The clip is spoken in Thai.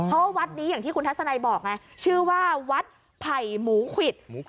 เพราะว่าวัดนี้อย่างที่คุณทัศนัยบอกไงชื่อว่าวัดไผ่หมูควิด